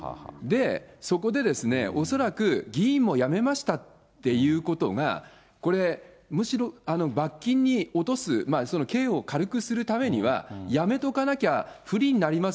そこで恐らく、議員も辞めましたっていうことが、これ、むしろ罰金に落とす、刑を軽くするためには、辞めとかなきゃ不利になります